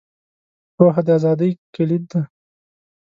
• پوهه، د ازادۍ کلید دی.